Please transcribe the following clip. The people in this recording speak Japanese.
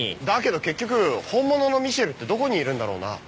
だけど結局本物のミシェルってどこにいるんだろうな？